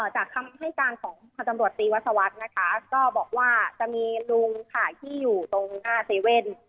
จากคำให้การของจำรวจศรีวสวรรษนะคะก็บอกว่าจะมีลุงที่อยู่ตรงหน้าเจเว่น